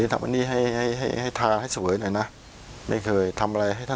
๑๓ตุลาคม๒๕๕๙